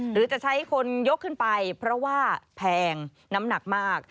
หรือจะใช้คนยกขึ้นไปเพราะว่าแพงน้ำหนักมาก